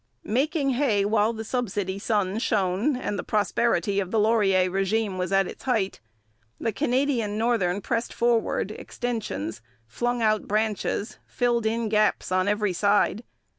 Making hay while the subsidy sun shone and the prosperity of the Laurier regime was at its height, the Canadian Northern pressed forward extensions, flung out branches, filled in gaps on every side.